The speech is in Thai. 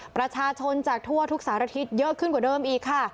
ประชาชนจากทั่วทุกสารทิศเยอะขึ้นกว่าเดิมอีกค่ะ